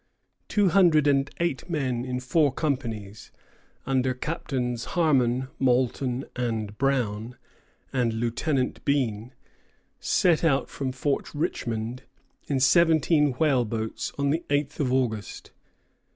Two hundred and eight men in four companies, under Captains Harmon, Moulton, and Brown, and Lieutenant Bean, set out from Fort Richmond in seventeen whaleboats on the eighth of August.